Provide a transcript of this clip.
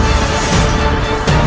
ketika kanda menang kanda menang